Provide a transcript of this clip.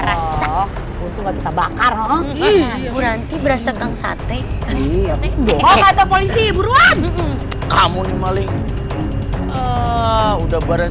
rasa kita bakar berarti berasa keng sate polisi buruan kamu nih maling udah barang